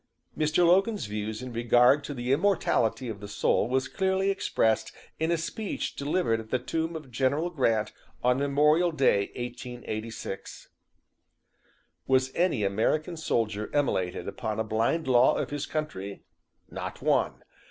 Mr. Logan's views in regard to the immortality of the soul was clearly expressed in a speech delivered at the tomb of General Grant on Memorial Day, 1886: "Was any American soldier immolated upon a blind law of his country? Not one!